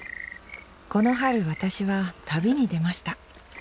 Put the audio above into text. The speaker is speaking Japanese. この春私は旅に出ました。